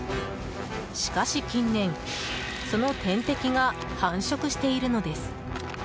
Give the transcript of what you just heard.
しかし近年、その天敵が繁殖しているのです。